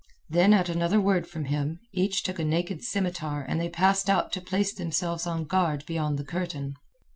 Then at another word from him, each took a naked scimitar and they passed out to place themselves on guard beyond the curtain.